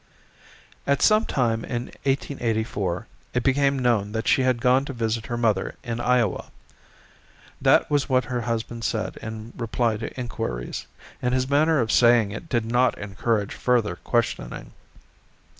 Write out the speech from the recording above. At some time in 1884 it became known that she had gone to visit her mother in Iowa. That was what her husband said in reply to inquiries, and his manner of saying it did not encourage further questioning.